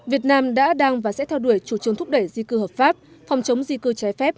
việt nam đã đang và sẽ theo đuổi chủ trương thúc đẩy di cư hợp pháp phòng chống di cư trái phép